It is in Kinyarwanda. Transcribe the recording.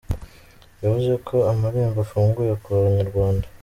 Yavuze ko amarembo afunguye ku banyarwanda.